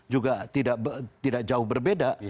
juga tidak jauh berbeda